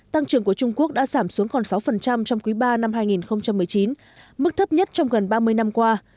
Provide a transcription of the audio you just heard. tăng trưởng của trung quốc đã giảm xuống còn sáu trong quý ba năm hai nghìn một mươi chín mức thấp nhất trong gần ba mươi năm qua